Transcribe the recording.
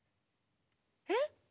えっ？